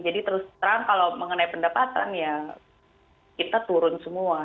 jadi terus terang kalau mengenai pendapatan ya kita turun semua